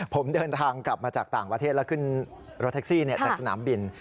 ผมเดินทางกลับมาจากต่างประเทศแล้วขึ้นรถแท็กซี่จากสนามบิน